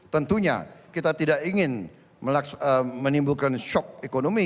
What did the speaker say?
tentunya kita tidak ingin menimbulkan shock ekonomi